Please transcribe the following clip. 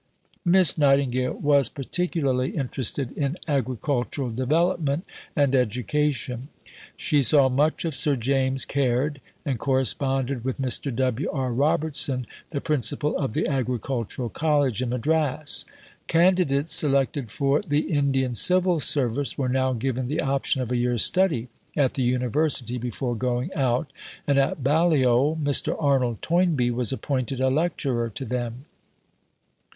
Miss Nightingale was particularly interested in agricultural development and education. She saw much of Sir James Caird, and corresponded with Mr. W. R. Robertson, the Principal of the Agricultural College in Madras. Candidates selected for the Indian Civil Service were now given the option of a year's study at the University before going out, and at Balliol Mr. Arnold Toynbee was appointed a lecturer to them.